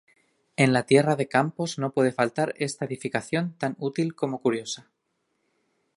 En la Tierra de Campos no puede faltar esta edificación tan útil como curiosa.